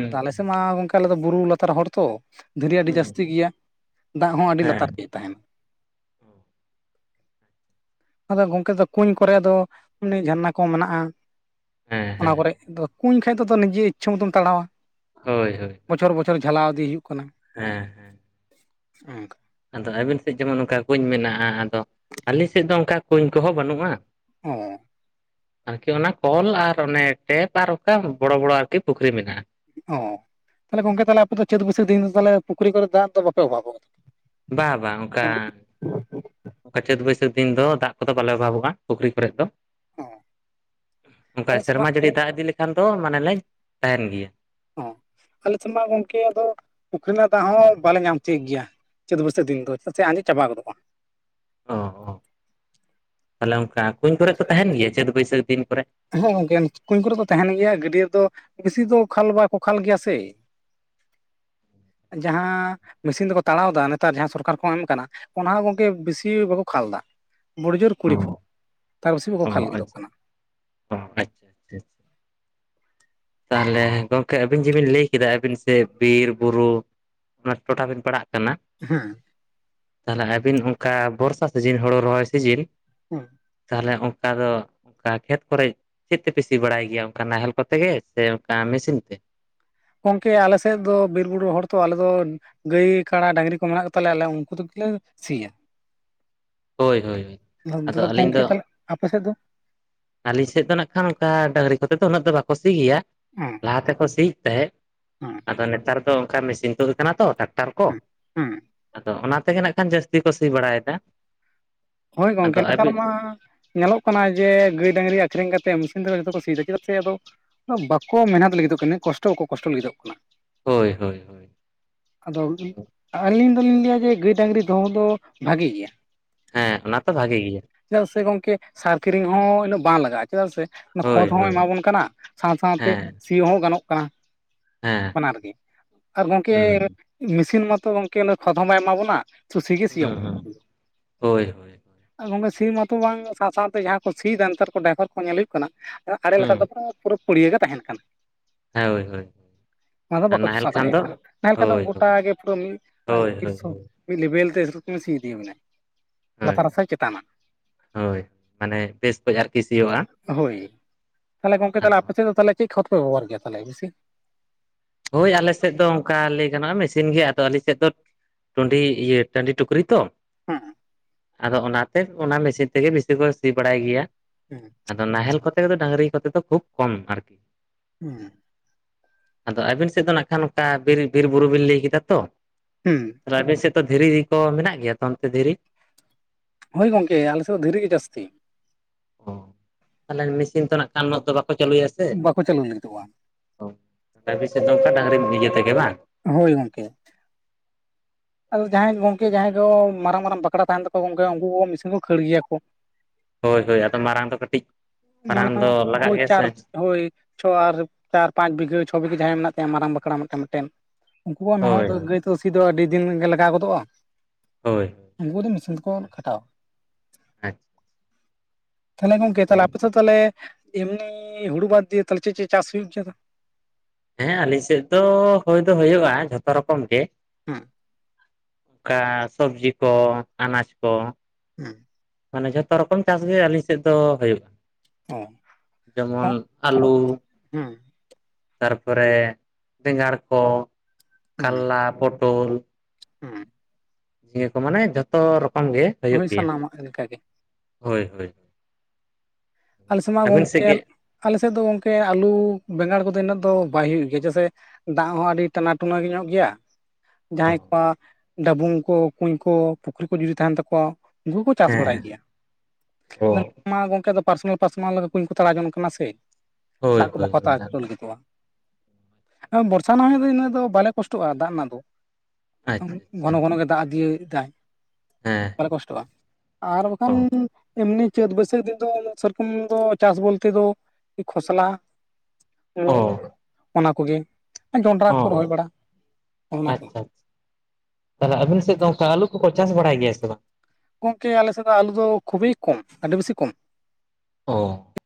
ᱛᱟ ᱟᱞᱮ ᱥᱮᱜ ᱢᱟ ᱜᱚᱝᱠᱮ ᱟᱞᱮ ᱫᱚ ᱵᱩᱨᱩ ᱞᱟᱛᱟᱨ ᱦᱚᱲ ᱛᱚ ᱫᱷᱤᱨᱤ ᱟᱹᱰᱤ ᱡᱟᱹᱥᱛᱤ ᱦᱮᱸ ᱜᱮᱭᱟ ᱾ ᱫᱟᱜ ᱦᱚᱸ ᱟᱹᱰᱤ ᱞᱟᱛᱟᱨ ᱜᱮ ᱛᱟᱦᱮᱱ ᱾ ᱟᱫᱚ ᱜᱚᱝᱠᱮ ᱫᱚ ᱠᱩᱧ ᱠᱚᱨᱮ ᱫᱚ ᱩᱱᱤ ᱡᱷᱟᱨᱱᱟ ᱠᱚᱸ ᱢᱮᱱᱟᱜᱼᱟ ᱾ ᱚᱱᱟ ᱦᱮᱸ ᱠᱚᱨᱮᱡ ᱫᱚ ᱠᱩᱧ ᱠᱷᱟᱡ ᱫᱚ ᱱᱤᱡᱤ ᱤᱪᱪᱷᱟᱹ ᱢᱚᱛᱚᱢ ᱛᱟᱲᱟᱣᱟ ᱾ ᱦᱳᱭ ᱦᱳᱭ ᱾ ᱵᱚᱪᱷᱚᱨ ᱵᱚᱪᱷᱚᱨ ᱡᱷᱟᱞᱟᱣ ᱤᱫᱤ ᱦᱩᱭᱩᱜ ᱠᱟᱱᱟ ᱾ ᱦᱮᱸ (inaudible) ᱦᱩᱸ ᱾ ᱟᱫᱚ ᱟᱹᱵᱤᱱ ᱥᱮᱡ ᱡᱮᱢᱚᱱ ᱚᱝᱠᱟ ᱠᱩᱧ ᱢᱮᱱᱟᱜᱼᱟ ᱟᱫᱚ ᱟᱹᱞᱤᱧ ᱥᱮᱫ ᱫᱚ ᱚᱝᱠᱟ ᱠᱩᱧ ᱠᱚᱦᱚᱸ ᱵᱟᱱᱩᱜᱼᱟ ᱾ ᱚ᱾ ᱟᱨᱠᱤ ᱚᱱᱟ ᱠᱚᱞ ᱟᱨ ᱚᱱᱮ ᱴᱮᱯ ᱟᱨ ᱚᱠᱟ ᱵᱚᱲᱚ ᱵᱚᱲᱚ ᱟᱨᱠᱤ ᱯᱩᱠᱷᱨᱤ ᱢᱮᱱᱟᱜᱼᱟ ᱾ ᱚᱻ ᱛᱷᱟᱞᱮ ᱜᱚᱝᱠᱮ ᱛᱟᱞᱮ ᱟᱯᱮ ᱫᱚ ᱪᱟᱹᱛ ᱵᱟᱹᱥᱟᱹ ᱫᱤᱱ ᱫᱚ ᱛᱟᱞᱮ ᱯᱩᱠᱷᱨᱤ ᱠᱚᱨᱮ ᱫᱟᱜ ᱫᱚ ᱵᱟᱯᱮ ᱚᱵᱷᱟᱵ-ᱚᱜ ᱵᱟ ᱵᱟ ᱚᱝᱠᱟ ᱚᱝᱠᱟ ᱪᱟᱹᱛ ᱵᱟᱹᱭᱥᱟᱹᱠ ᱫᱤᱱ ᱫᱚ ᱫᱟᱜ ᱠᱚᱫᱚ ᱵᱟᱞᱮ ᱚᱵᱷᱟᱵᱚᱜᱼᱟ ᱯᱩᱠᱷᱨᱤ ᱠᱚᱨᱮᱫ ᱫᱚ ᱾ ᱚ ᱚᱱᱠᱟ ᱟᱞᱮ ᱥᱮᱫ ᱢᱟ ᱥᱮᱨᱢᱟ ᱡᱟᱹᱲᱤ ᱫᱟᱜ ᱤᱫᱤ ᱞᱮᱠᱷᱟᱱ ᱫᱚ ᱢᱟᱱᱮ ᱞᱮᱸᱡᱮᱨ ᱛᱟᱦᱮᱱ ᱜᱮᱭᱟ ᱾ ᱚ ᱟᱞᱮ ᱥᱮᱫ ᱢᱟ ᱜᱚᱢᱠᱮ ᱟᱫᱚ ᱯᱩᱠᱷᱨᱤ ᱨᱮᱱᱟᱜ ᱫᱟᱜ ᱦᱚᱸ ᱵᱟᱞᱮ ᱧᱟᱢ ᱛᱤᱭᱳᱜ ᱜᱮᱭᱟ᱾ ᱪᱟᱹᱛ ᱵᱟᱹᱭᱥᱟᱹᱠᱷ ᱫᱤᱱ ᱫᱚ ᱪᱮᱫᱟᱜ ᱥᱮ ᱟᱸᱡᱮᱫᱽ ᱪᱟᱵᱟ ᱜᱚᱫᱚᱜ-ᱟ᱾ ᱚ ᱚ ᱛᱟᱦᱚᱞᱮ ᱚᱱᱠᱟ ᱠᱩᱧ ᱠᱚᱨᱮ ᱛᱚ ᱛᱟᱦᱮᱱ ᱜᱮᱭᱟ ᱪᱟᱹᱛ ᱵᱟᱹᱭᱥᱟᱹᱠᱷ ᱫᱤᱱ ᱠᱚᱨᱮ? ᱦᱮᱸ ᱜᱚᱝᱠᱮ ᱠᱩᱸᱧ ᱠᱚᱨᱮ ᱫᱚ ᱛᱟᱦᱮᱱ ᱜᱮᱭᱟ ᱜᱟᱹᱰᱭᱟᱹ ᱨᱮᱫᱚ ᱵᱮᱥᱤ ᱫᱚ ᱠᱷᱟᱞ ᱵᱟᱠᱚ ᱠᱷᱟᱞ ᱜᱮᱭᱟ ᱥᱮ ᱾ ᱡᱟᱦᱟᱸ ᱢᱮᱥᱤᱱ ᱛᱮᱠᱚ ᱛᱟᱲᱟᱣ ᱫᱟ ᱱᱮᱛᱟᱨ ᱡᱟᱦᱟᱸ ᱥᱚᱨᱠᱟᱨ ᱠᱚ ᱮᱢ ᱠᱟᱱᱟ ᱚᱱᱟ ᱦᱚᱸ ᱜᱚᱝᱠᱮ ᱵᱮᱥᱤ ᱵᱟᱠᱚ ᱠᱷᱟᱞ ᱫᱟ ᱵᱩᱲᱩ ᱡᱳᱨ ᱠᱩᱲᱤ ᱯᱷᱩᱴ ᱚ ᱛᱟᱨ ᱵᱮᱥᱤ ᱵᱟᱠᱚ ᱚ ᱠᱷᱟᱞ ᱞᱟᱹᱜᱤᱫᱚᱜ ᱟᱪᱪᱷᱟ ᱠᱟᱱᱟ᱾ (unintelligible) ᱛᱟᱦᱚᱞᱮ ᱜᱚᱢᱠᱮ ᱟᱹᱵᱤᱱ ᱡᱮ ᱵᱤᱱ ᱞᱟᱹᱭ ᱠᱮᱫᱟ ᱟᱹᱵᱤᱱ ᱥᱮ ᱵᱤᱨ ᱵᱩᱨᱩ ᱚᱱᱟ ᱴᱚᱴᱷᱟ ᱵᱤᱱ ᱯᱟᱲᱟᱜ ᱠᱟᱱᱟ ᱦᱮᱸ ᱾ ᱛᱟᱦᱚᱞᱮ ᱟᱹᱵᱤᱱ ᱚᱱᱠᱟ ᱵᱚᱨᱥᱟ ᱥᱤᱡᱤᱱ ᱦᱳᱲᱳ ᱨᱚᱦᱚᱭ ᱥᱤᱡᱤᱱ (unintelligible) ᱛᱟᱦᱚᱞᱮ ᱚᱱᱠᱟ ᱫᱚ ᱚᱱᱠᱟ ᱠᱷᱮᱛ ᱠᱚᱨᱮ ᱪᱮᱫ ᱛᱮᱯᱮ ᱥᱤ ᱵᱟᱲᱟᱭ ᱜᱮᱭᱟ ᱚᱱᱠᱟ ᱱᱟᱦᱮᱞ ᱠᱚᱛᱮ ᱜᱮ? ᱥᱮ ᱚᱱᱠᱟ ᱢᱮᱥᱤᱱ ᱛᱮ? ᱜᱚᱝᱠᱮ ᱟᱞᱮ ᱥᱮᱫ ᱫᱚ ᱵᱤᱨ ᱵᱩᱨᱩ ᱦᱚᱲ ᱛᱚ ᱟᱞᱮ ᱫᱚ ᱜᱟᱹᱭ ᱠᱟᱲᱟ ᱰᱟᱝᱨᱤ ᱠᱚ ᱢᱮᱱᱟᱜ ᱠᱚ ᱛᱟᱞᱮᱭᱟ ᱟᱞᱮ ᱩᱱᱠᱩ ᱛᱮᱜᱮᱞᱮ ᱥᱤᱭᱟ᱾ ᱦᱳᱭ ᱦᱳᱭ ᱦᱳᱭ ᱟᱫᱚ (unintelligible) ᱟᱹᱞᱤᱧ ᱜᱚᱝᱠᱮ ᱫᱚ ᱛᱟᱦᱚᱞᱮ ᱟᱯᱮ ᱥᱮᱫ ᱫᱚ ᱟᱹᱞᱤᱧ ᱥᱮᱫ ᱫᱚ ᱱᱟᱜ ᱠᱷᱟᱱ ᱚᱱᱠᱟ ᱰᱟᱝᱨᱤ ᱠᱚᱛᱮ ᱫᱚ ᱩᱱᱟᱹᱜ ᱫᱚ ᱵᱟᱠᱚ ᱥᱤ ᱜᱮᱭᱟ᱾ (unintelligible) ᱞᱟᱦᱟ ᱛᱮᱠᱚ ᱥᱤᱭᱮᱫ ᱛᱟᱦᱮᱸᱜ ᱦᱮᱸ ᱟᱫᱚ ᱱᱮᱛᱟᱨ ᱫᱚ ᱚᱱᱠᱟ ᱢᱮᱥᱤᱱ ᱛᱩᱫ ᱠᱟᱱᱟ ᱛᱚ ᱴᱟᱠ ᱴᱟᱨ ᱠᱚ ᱦᱮᱸ ᱦᱮᱸ ᱟᱫᱚ ᱚᱱᱟ ᱛᱮᱜᱮ ᱱᱟᱜ ᱠᱷᱟᱱ ᱡᱟᱹᱥᱛᱤ ᱠᱚ ᱥᱤ ᱵᱟᱲᱟᱭᱮᱫᱟ᱾ ᱦᱳᱭ ᱟᱫᱚ ᱜᱚᱢᱠᱮ ᱱᱮᱛᱟᱨ ᱟᱹᱵᱤᱱ ᱢᱟ ᱧᱮᱞᱚᱜ ᱠᱟᱱᱟ ᱡᱮ ᱜᱟᱹᱭ ᱰᱟᱝᱨᱤ ᱟᱹᱠᱷᱨᱤᱧ ᱠᱟᱛᱮ ᱢᱮᱥᱤᱱ ᱛᱮ ᱡᱚᱛᱚ ᱠᱚ ᱥᱤᱭᱮᱫᱟ ᱪᱮᱫᱟᱜ ᱥᱮ ᱟᱫᱚ ᱵᱟᱠᱚ ᱢᱮᱦᱚᱱᱚᱛ ᱞᱟᱹᱜᱤᱫᱚᱜ ᱠᱟᱱᱟ ᱩᱱᱟᱹᱜ ᱠᱚᱥᱴᱚ ᱵᱟᱠᱚ ᱠᱚᱥᱴᱚ ᱞᱟᱹᱜᱤᱫᱚᱜ ᱠᱟᱱᱟ ᱾ ᱦᱳᱭ ᱦᱳᱭ ᱾ ᱟᱫᱚ ᱟᱹᱞᱤᱧ ᱫᱚᱞᱤᱧ ᱞᱟᱹᱭᱟ ᱡᱮ ᱜᱟᱹᱭ ᱰᱟᱝᱨᱤ ᱫᱚᱦᱚ ᱫᱚ ᱵᱷᱟᱜᱮ ᱜᱮᱭᱟ᱾ ᱦᱮᱸ ᱚᱱᱟ ᱛᱚ ᱵᱷᱟᱜᱮ ᱜᱮᱭᱟ᱾ ᱪᱮᱫᱟᱜ ᱥᱮ ᱜᱚᱝᱠᱮ ᱥᱟᱨ ᱠᱤᱨᱤᱧ ᱦᱚᱸ ᱩᱱᱟᱹᱜ ᱵᱟᱝ ᱞᱟᱜᱟᱜ-ᱟ ᱪᱮᱫᱟᱜ ᱥᱮ ᱚᱱᱟ ᱦᱳᱭ ᱠᱷᱚᱛ ᱦᱚᱸᱭ ᱦᱳᱭ ᱮᱢᱟ ᱵᱚᱱ ᱠᱟᱱᱟ ᱥᱟᱶ ᱥᱟᱶᱛᱮ ᱦᱮᱸ ᱥᱤ ᱦᱚᱸ ᱜᱟᱱᱚᱜ ᱠᱟᱱᱟ᱾ ᱦᱮᱸ ᱵᱟᱱᱟᱨᱜᱮ ᱟᱨ ᱜᱚᱝᱠᱮ ᱦᱩᱸ ᱢᱮᱥᱤᱱ ᱢᱟᱛᱚ ᱜᱚᱢᱠᱮ ᱠᱷᱚᱛ ᱦᱚᱸ ᱵᱟᱭ ᱮᱢᱟ ᱵᱚᱱᱟ ᱥᱤ ᱜᱮ ᱦᱮᱸ ᱥᱤᱭᱟᱵᱚᱱ ᱦᱮᱸ ᱦᱳᱭ ᱦᱳᱭ ᱾ ᱜᱚᱢᱠᱮ ᱥᱤ ᱢᱟᱛᱚ ᱵᱟᱝ ᱥᱟᱶ ᱥᱟᱶᱛᱮ ᱡᱟᱦᱟᱸ ᱠᱚ ᱥᱤᱫᱟ ᱱᱮᱛᱟᱨ ᱠᱚ ᱰᱟᱭᱵᱷᱟᱨ ᱠᱚ ᱧᱮᱞ ᱦᱩᱭᱩᱜ ᱠᱟᱱᱟ ᱟᱲᱮ ᱦᱩᱸ ᱞᱟᱛᱟᱨ ᱠᱚᱫᱚ ᱯᱩᱨᱟᱹ ᱯᱩᱲᱭᱟᱹ ᱜᱮ ᱛᱟᱦᱮᱱ ᱠᱟᱱᱟ᱾ ᱦᱮᱸ ᱦᱳᱭ ᱦᱳᱭ᱾ ᱚᱱᱟ ᱫᱚ ᱟᱨ ᱵᱟᱠᱚ ᱱᱟᱦᱮᱞ ᱪᱚᱥᱟᱣ ᱠᱷᱟᱱ ᱫᱟᱲᱮᱭᱟᱜ ᱫᱚ ᱠᱟᱱᱟ ᱛᱟᱦᱚᱞᱮ ᱠᱷᱟᱡ ᱫᱚ ᱦᱳᱭ ᱜᱚᱴᱟ ᱦᱳᱭ ᱜᱮ ᱯᱩᱨᱟᱹ ᱦᱳᱭ ᱛᱤᱥ ᱦᱳᱭ ᱦᱚᱸ ᱢᱤᱫ ᱞᱮᱵᱮᱞ ᱛᱮ ᱥᱤ ᱤᱫᱤ ᱟᱵᱤᱱᱟᱭ ᱦᱳᱭ ᱞᱟᱛᱟᱨ ᱦᱟᱥᱟᱭ ᱪᱮ ᱦᱳᱭ ᱢᱟᱱᱮ ᱵᱮᱥ ᱠᱷᱡᱽ ᱟᱨᱠᱤ ᱥᱤᱜᱳᱟ ᱾ ᱦᱳᱭ ᱾ ᱛᱟᱦᱚᱞᱮ ᱜᱚᱝᱠᱮ ᱛᱟᱦᱚᱞᱮ ᱟᱯᱮ ᱥᱮᱫ ᱫᱚ ᱛᱟᱦᱚᱞᱮ ᱪᱮᱫ ᱠᱷᱚᱛ ᱯᱮ ᱵᱮᱵᱷᱟᱨ ᱜᱮᱭᱟ ᱛᱟᱦᱚᱞᱮ ᱵᱮᱥᱤ? ᱦᱳᱭ ᱟᱞᱮ ᱥᱮᱫ ᱫᱚ ᱚᱱᱠᱟ ᱞᱟᱹᱭ ᱜᱟᱱᱚᱜ-ᱟ ᱢᱮᱥᱤᱱ ᱜᱮ ᱟᱫᱚ ᱟᱞᱮ ᱥᱮᱫ ᱫᱚ ᱴᱩᱸᱰᱤ ᱤᱭᱟᱹ ᱴᱟᱹᱰᱤ ᱴᱩᱠᱨᱤ ᱛᱚ᱾ ᱦᱩᱸ ᱾ ᱟᱫᱚ ᱚᱱᱟᱛᱮ ᱚᱱᱟ ᱢᱮᱥᱤᱱ ᱛᱮᱜᱮ ᱵᱤᱥᱤ ᱠᱚ ᱥᱤ ᱵᱟᱲᱟᱭ ᱜᱮᱭᱟ᱾ (unintelligible) ᱟᱫᱚ ᱱᱟᱦᱮᱞ ᱠᱚᱛᱮ ᱫᱚ ᱰᱟᱹᱝᱨᱤ ᱠᱚᱛᱮ ᱫᱚ ᱠᱷᱩᱵ ᱠᱚᱢ ᱟᱨᱠᱤ᱾ (unintelligible) ᱟᱫᱚ ᱟᱹᱵᱤᱱ ᱥᱮᱫ ᱫᱚ ᱱᱟᱠᱷᱟ ᱱᱚᱠᱟ ᱵᱤᱨ ᱵᱤᱨ ᱵᱩᱨᱩ ᱵᱤᱱ ᱞᱟᱹᱭ ᱠᱮᱫᱟ ᱛᱚ᱾ ᱦᱩᱸ ᱟᱨ ᱟᱵᱮᱱ ᱥᱮᱫ ᱫᱚ ᱫᱷᱤᱨᱤ ᱠᱚ ᱢᱮᱱᱟᱜ ᱜᱮᱭᱟ ᱛᱚ ᱚᱱᱛᱮ ᱫᱷᱤᱨᱤ? ᱦᱳᱭ ᱜᱚᱝᱠᱮ ᱟᱞᱮᱥᱮᱫ ᱫᱚ ᱫᱷᱤᱨᱤ ᱜᱮ ᱡᱟᱹᱥᱛᱤ ᱾ ᱚ ᱛᱟᱦᱞᱮ ᱢᱤᱥᱤᱱ ᱛᱮᱱᱟᱜ ᱠᱟᱱ ᱧᱚᱜ ᱫᱚ ᱵᱟᱠᱚ ᱪᱟᱹᱞᱩᱭᱟ ᱥᱮ ᱾ ᱵᱟᱠᱚ ᱪᱟᱹᱞᱩ ᱞᱟᱹᱜᱤᱫᱚᱜᱼᱟ ᱛᱚ ᱟᱯᱮ ᱥᱮᱫ ᱫᱚ ᱱᱚᱝᱠᱟ ᱰᱟᱹᱝᱨᱤ ᱤᱭᱟᱹ ᱛᱮᱜᱮ ᱵᱟᱝ? ᱦᱳᱭ ᱜᱚᱝᱠᱮ ᱾ ᱟᱫᱚ ᱡᱟᱦᱟᱸᱭ ᱜᱚᱝᱠᱮ ᱡᱟᱦᱟᱸᱭ ᱠᱚ ᱢᱟᱨᱟᱝ ᱢᱟᱨᱟᱝ ᱯᱟᱠᱲᱟ ᱛᱟᱦᱮᱸᱱ ᱛᱟᱠᱚᱣᱟ ᱜᱚᱝᱠᱮ ᱩᱱᱠᱩ ᱢᱤᱥᱤᱱ ᱠᱚ ᱠᱷᱟᱹᱲ ᱜᱮᱭᱟ ᱠᱚ ᱾ ᱦᱳᱭ ᱦᱳᱭ ᱟᱫᱚ ᱢᱟᱨᱟᱝ ᱫᱚ ᱠᱟᱹᱴᱤᱡ ᱢᱟᱨᱟᱝ ᱫᱚ ᱞᱟᱜᱟᱜ ᱜᱮᱭᱟ ᱥᱮ ᱾ ᱦᱳᱭ ᱪᱷᱚ ᱟᱨ ᱪᱟᱨ ᱯᱟᱸᱪ ᱵᱤᱜᱷᱟᱹ ᱪᱷᱚ ᱵᱤᱜᱷᱟᱹ ᱡᱟᱦᱟᱸᱭ ᱢᱮᱱᱟᱜ ᱛᱟᱭᱟ ᱢᱟᱨᱟᱝ ᱵᱟᱠᱷᱲᱟ ᱢᱮᱱᱟᱜ ᱛᱟᱭ ᱢᱮᱫᱴᱮᱱ ᱢᱮᱫᱴᱮᱱ᱾ ᱩᱱᱠᱩᱣᱟᱜ ᱱᱚᱜᱼᱚᱭ ᱦᱳᱭ ᱫᱚ ᱜᱟᱹᱭ ᱛᱮ ᱫᱚ ᱥᱤ ᱫᱚ ᱟᱹᱰᱤ ᱫᱤᱱ ᱜᱮ ᱞᱟᱜᱟᱣ ᱜᱚᱫᱚᱜᱼᱟ, ᱦᱳᱭ ᱩᱱᱠᱩ ᱫᱚ ᱢᱮᱥᱤᱱ ᱛᱮᱠᱚ ᱠᱷᱟᱴᱟᱣᱟ ᱾ ᱟᱪᱪᱷᱟ, ᱛᱟᱦᱚᱞᱮ ᱜᱚᱝᱠᱮ ᱟᱯᱮᱛᱚ ᱛᱟᱦᱞᱮ ᱮᱢᱱᱤ ᱦᱩᱲᱩ ᱵᱟᱫᱽ ᱫᱤᱭᱮ ᱛᱚ ᱪᱮᱫ ᱪᱮᱫ ᱪᱟᱥ ᱦᱩᱭᱩᱜ ᱜᱮᱭᱟ ᱛᱚ? ᱦᱮᱸ ᱟᱹᱞᱤᱧ ᱥᱮᱫ ᱫᱚ ᱦᱩᱭ ᱫᱚ ᱦᱩᱭᱩᱜᱼᱟ ᱡᱚᱛᱚ ᱨᱚᱠᱚᱢ ᱜᱮ ᱾ ᱦᱮᱸ ᱚᱝᱠᱟ ᱥᱚᱵᱽᱡᱤ ᱠᱚ ᱟᱱᱟᱡᱽ ᱠᱚ ᱾ ᱦᱩᱸ ᱢᱟᱱᱮ ᱡᱚᱛᱚ ᱨᱚᱠᱚᱢ ᱪᱟᱥ ᱜᱮ ᱟᱞᱤᱧ ᱥᱮᱫ ᱫᱚ ᱦᱳᱭᱳᱜᱼᱟ ᱾ (unintelligible) ᱡᱮᱢᱚᱱ ᱟᱞᱩ ᱦᱩᱸ ᱛᱟᱨᱯᱚᱨᱮ ᱵᱮᱸᱜᱟᱲ ᱠᱚ ᱦᱩᱸ ᱠᱟᱞᱞᱟ ᱯᱚᱴᱳᱞ᱾ ᱦᱩᱸ ᱱᱤᱭᱟᱹ ᱠᱚ ᱢᱟᱱᱮ ᱡᱚᱛᱚ ᱨᱚᱠᱚᱢ ᱜᱮ ᱾ ᱦᱳᱭ ᱥᱟᱱᱟᱢᱟᱜ ᱞᱮᱠᱟ ᱜᱮ ᱾ ᱦᱳᱭ ᱦᱳᱭ᱾ ᱟᱞᱮᱥᱮᱫ ᱢᱟ ᱟᱹᱵᱤᱱ ᱥᱮᱫ ᱜᱚᱝᱠᱮ ᱜᱮ ᱟᱞᱮ ᱥᱮᱫ ᱫᱚ ᱜᱚᱝᱠᱮ ᱟᱹᱞᱩ ᱵᱮᱸᱜᱟᱲ ᱠᱚᱫᱚ ᱤᱱᱟᱹᱜ ᱫᱚ ᱵᱟᱭ ᱦᱩᱭᱩᱜ ᱜᱮᱭᱟ ᱡᱮᱭᱥᱮ ᱫᱟᱜ ᱦᱚᱸ ᱟᱹᱰᱤ ᱴᱟᱱᱟᱴᱩᱱᱟᱹ ᱧᱚᱜ ᱜᱮᱭᱟ ᱾ ᱚ ᱡᱟᱦᱟᱸᱭ ᱠᱚᱣᱟᱜ ᱰᱟᱵᱩᱝ ᱠᱚ ᱠᱩᱧ ᱠᱚ ᱯᱩᱠᱷᱨᱤ ᱠᱚ ᱡᱩᱫᱤ ᱛᱟᱦᱮᱸᱱ ᱛᱟᱠᱚᱣᱟ ᱩᱱᱠᱩ ᱠᱚ ᱪᱟᱥ ᱦᱮᱸ ᱵᱟᱲᱟᱭ ᱜᱮᱭᱟ ᱾ ᱚ ᱟᱫᱚ ᱢᱟ ᱜᱚᱝᱠᱮ ᱫᱚ ᱯᱟᱨᱥᱚᱱᱟᱞ ᱯᱟᱨᱥᱚᱱᱟᱞ ᱠᱩᱧ ᱠᱚ ᱛᱟᱲᱟ ᱡᱚᱝ ᱠᱟᱱᱟ ᱥᱮ ᱦᱳᱭ ᱫᱟᱜ ᱠᱚ ᱦᱳᱭ ᱵᱟᱠᱚ ᱦᱟᱛᱟᱣ ᱦᱳᱭ ᱚᱪᱚ ᱞᱟᱹᱜᱤᱫᱚᱜᱼᱟ ᱾ ᱵᱚᱨᱥᱟ (unintelligible) ᱫᱚ ᱤᱱᱟᱹ ᱫᱚ ᱵᱟᱞᱮ ᱠᱚᱥᱴᱚᱜᱼᱟ ᱫᱟᱜ ᱨᱮᱱᱟᱜ ᱫᱚ ᱟᱪᱪᱷᱟ ᱾ ᱟᱪᱪᱷᱟ ᱜᱷᱚᱱᱚ ᱜᱷᱚᱱᱚᱜᱮ ᱫᱟᱜ ᱫᱤᱭᱮᱫᱟᱭ ᱾ ᱦᱮᱸ ᱵᱟᱞᱮ ᱦᱮᱸ ᱠᱚᱥᱴᱚᱜᱼᱟ ᱟᱨ ᱚ ᱵᱟᱠᱷᱟᱱ ᱮᱢᱱᱤ ᱪᱟᱹᱛ ᱵᱟᱹᱭᱥᱟᱹᱠᱷ ᱫᱤᱱ ᱫᱚ ᱥᱮᱨᱚᱠᱚᱢ ᱫᱚ ᱪᱟᱥ ᱵᱚᱞᱛᱮ ᱫᱚ ᱠᱷᱚᱥᱞᱟ ᱚ ᱾ ᱚᱱᱟ ᱠᱚᱜᱮ ᱡᱚᱸᱰᱨᱟ ᱚ ᱠᱚ ᱨᱚᱦᱚᱭ ᱵᱟᱲᱟ ᱚᱱᱟ ᱟᱪᱪᱷᱟ ᱠᱚ ᱾ ᱟᱪᱪᱷᱟ ᱠᱚ ᱪᱟᱥ ᱵᱟᱲᱟᱭ ᱜᱮᱭᱟ ᱥᱮ ᱵᱟᱝ? ᱜᱚᱝᱠᱮ ᱟᱞᱮᱥᱮᱫ ᱫᱚ ᱟᱞᱩ ᱫᱚ ᱠᱷᱩᱵᱮ ᱠᱚᱢ ᱟᱹᱰᱤ ᱵᱮᱥᱤ ᱠᱚᱢ ᱾ ᱚ